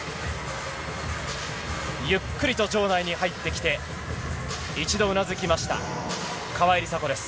ゆっくりと場内に入ってきて、一度うなずきました、川井梨紗子です。